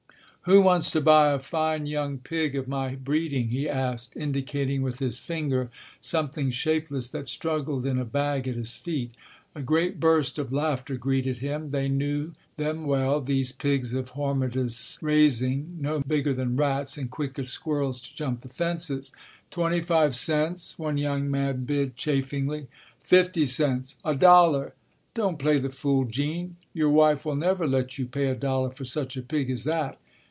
"Who wants to buy a fine young pig of my breeding?" he asked, indicating with his finger something shapeless that struggled in a bag at his feet. A great burst of laughter greeted him. They knew them well, these pigs of Hormidas' raising. No bigger than rats, and quick as squirrels to jump the fences. "Twenty five cents!" one young man bid chaffingly. "Fifty cents!" "A dollar!" "Don't play the fool, Jean. Your wife will never let you pay a dollar for such a pig as that."